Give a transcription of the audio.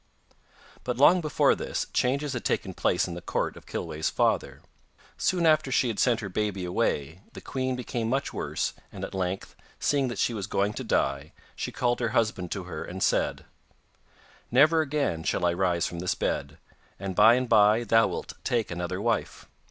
But long before this changes had taken place in the court of Kilweh's father. Soon after she had sent her baby away the queen became much worse, and at length, seeing that she was going to die, she called her husband to her and said: 'Never again shall I rise from this bed, and by and bye thou wilt take another wife.